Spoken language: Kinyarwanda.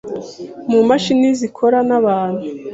mu mashini zikorana n’abantu